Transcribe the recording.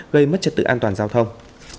gây mất trật tự an toàn giao thông